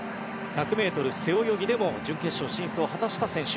１００ｍ背泳ぎでも準決勝進出を果たした選手。